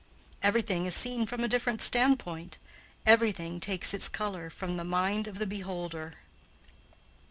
Everything is seen from a different standpoint; everything takes its color from the mind of the beholder.